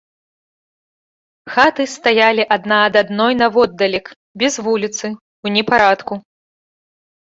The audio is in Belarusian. Хаты стаялі адна ад адной наводдалек, без вуліцы, у непарадку.